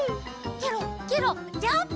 ケロッケロッジャンプ！